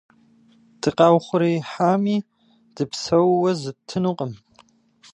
Дыкъаухъуреихьами, дыпсэууэ зыттынукъым!